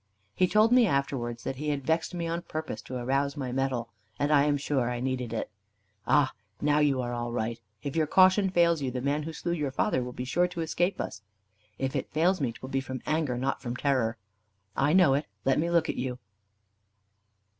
He told me afterwards that he had vexed me on purpose to arouse my mettle. And I am sure I needed it. "Ah! now you are all right. If your caution fails you, the man who slew your father will be sure to escape us." "If it fails me, 'twill be from anger, not from terror." "I know it. Let me look at you."